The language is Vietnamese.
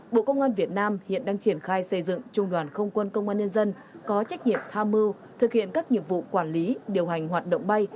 bộ công an việt nam hiện đang triển khai xây dựng trung đoàn không quân công an nhân dân có trách nhiệm tham mưu thực hiện các nhiệm vụ quản lý điều hành hoạt động bay